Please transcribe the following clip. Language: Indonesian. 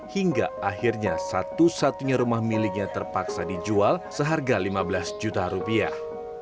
hingga akhirnya satu satunya rumah miliknya terpaksa dijual seharga lima belas juta rupiah